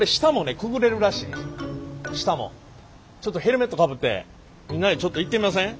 ちょっとヘルメットかぶってみんなでちょっと行ってみません？